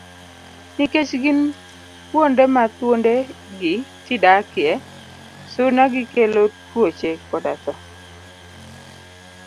Nikech gin kuonde ma thuonde gi t dakie, suna gikelo tuoche koda tho.